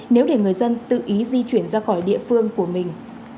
nếu để người dân tự ý di chuyển ra khỏi địa phương của mình